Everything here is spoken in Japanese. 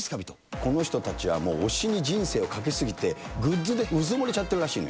この人たちは推しに人生をかけすぎて、グッズでうずもれちゃってるらしいのよ。